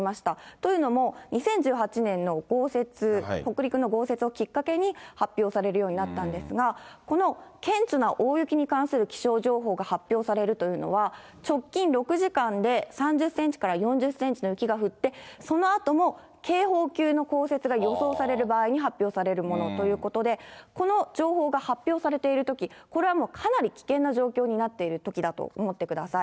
というのも、２０１８年の豪雪、北陸の豪雪をきっかけに発表されるようになったんですが、この顕著な大雪に関する気象情報が発表されるというのは、直近６時間で、３０センチから４０センチの雪が降って、そのあとも警報級の降雪が予想される場合に発表されるものということで、この情報が発表されているとき、これはもうかなり危険な状況になっているときだと思ってください。